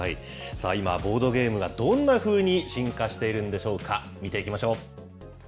今、ボードゲームがどんなふうに進化しているんでしょうか。